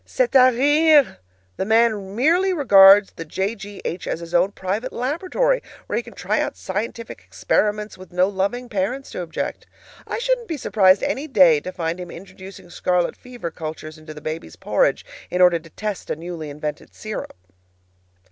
C'EST A RIRE! The man merely regards the J. G. H. as his own private laboratory, where he can try out scientific experiments with no loving parents to object. I shouldn't be surprised anyday to find him introducing scarlet fever cultures into the babies' porridge in order to test a newly invented serum.